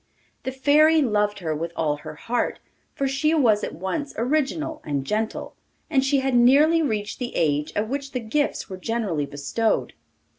The Fairy loved her with all her heart, for she was at once original and gentle, and she had nearly reached the age at which the gifts were generally bestowed.